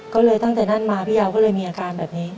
ก็เลยตั้งแต่นั้นมาพี่ยาวก็เลยมีอาการแบบนี้